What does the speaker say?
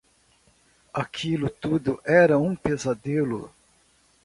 Aquilo tudo era um pesadelo